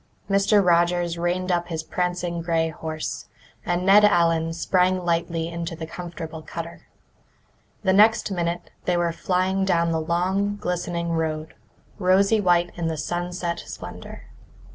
Mr. Rogers reined up his prancing grey horse, and Ned Allen sprang lightly into the comfortable cutter. The next minute they were flying down the long, glistening road, rosy white in the sunset splendour.